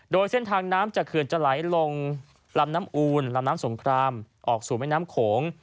โดยเส้นทางน้ำจากเขื่อนจะไหลลงลำน้ำอูนลำน้ำสงครามออกสู่แม่น้ำโขง